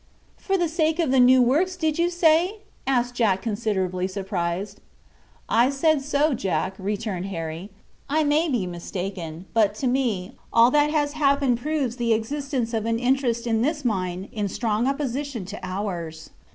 "For the sake of the new works did you say?" asked Jack, considerably surprised. "I said so, Jack," returned Harry. "I may be mistaken, but, to me, all that has happened proves the existence of an interest in this mine in strong opposition to ours.